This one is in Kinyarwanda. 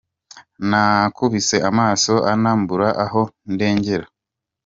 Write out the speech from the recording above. Nakubise amaso Anna mbura aho ndengera.